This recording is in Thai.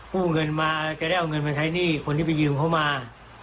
เงินมาจะได้เอาเงินมาใช้หนี้คนที่ไปยืมเขามา